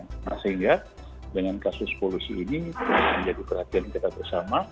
nah sehingga dengan kasus polusi ini menjadi perhatian kita bersama